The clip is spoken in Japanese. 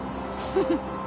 フフッ。